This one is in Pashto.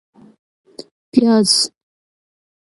🧅 پیاز